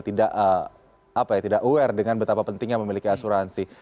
tidak aware dengan betapa pentingnya memiliki asuransi